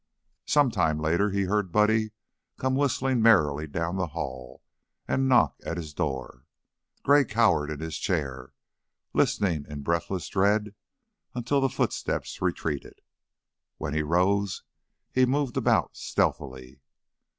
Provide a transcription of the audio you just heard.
Some time later he heard Buddy come whistling merrily down the hall and knock at his door. Gray cowered in his chair, listening in breathless dread until the footsteps retreated. When he rose he moved about stealthily.